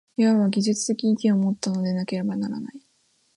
いわば技術的意義をもったものでなければならない。